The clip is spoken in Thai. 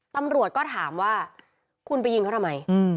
ตำรวจก็ถามว่าคุณไปยิงเขาทำไม